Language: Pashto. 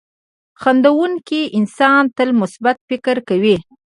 • خندېدونکی انسان تل مثبت فکر کوي.